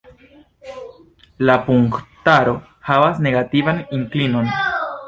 La punktaro havas negativan inklinon.